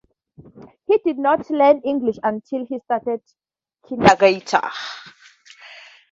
He did not learn English until he started kindergarten.